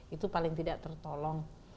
itu paling tidak tertolong